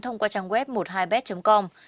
thông qua trang web một mươi hai bet com